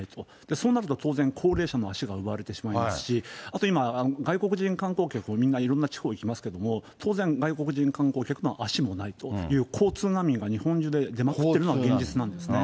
そうなると当然、高齢者の足が奪われてしまいますし、あと今外国人観光客、みんないろんな地方行きますけども、当然、外国人観光客の足もないという、交通難民が日本中で出まくっているのが現実なんですね。